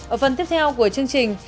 ở phần tiếp theo của chương trình